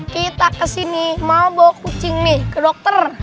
kita ke sini mau bawa kucing nih ke dokter